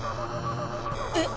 えっ